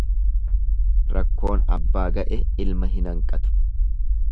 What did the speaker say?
Rakkoon abbaa ga'e ilma hin hanqatu.